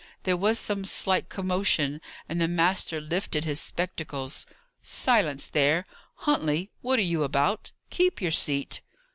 There was some slight commotion, and the master lifted his spectacles. "Silence, there! Huntley, what are you about? Keep your seat."